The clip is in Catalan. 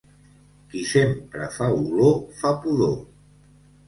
Qui sempre fa olor, fa pudor.